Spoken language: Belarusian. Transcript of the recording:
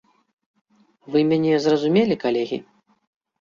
Вы мяне зразумелі, калегі?